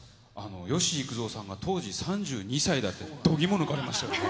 吉幾三さんが、当時３２歳だって、度肝抜かれましたね。